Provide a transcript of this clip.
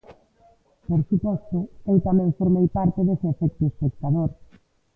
Por suposto, eu tamén formei parte dese efecto espectador.